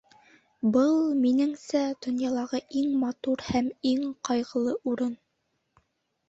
Был, минеңсә, донъялағы иң матур һәм иң ҡайғылы урын.